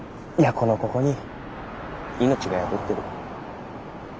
このここに命が宿ってる。